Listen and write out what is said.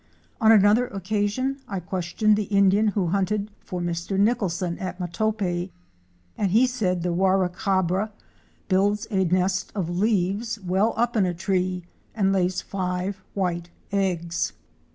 On another occasion I questioned the Indian who hunted for Mr. Nicholson at Matope and he said the Warracabra builds a nest of leaves well up in a tree and lays five white eggs.